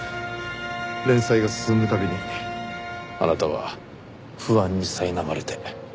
連載が進むたびにあなたは不安にさいなまれて。